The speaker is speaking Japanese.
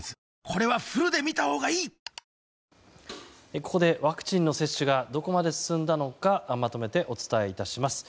ここでワクチンの接種がどこまで進んだのかまとめてお伝えいたします。